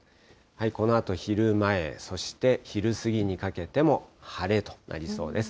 このあと昼前、そして昼過ぎにかけても晴れとなりそうです。